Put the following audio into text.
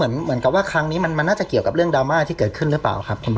เหมือนกับว่าครั้งนี้มันน่าจะเกี่ยวกับเรื่องดราม่าที่เกิดขึ้นหรือเปล่าครับ